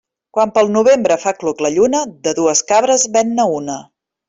Quan pel novembre fa cluc la lluna, de dues cabres ven-ne una.